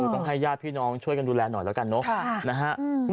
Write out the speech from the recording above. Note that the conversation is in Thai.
ต้องให้ญาติพี่น้องช่วยกันดูแลหน่อยแล้วกันเนอะนะฮะ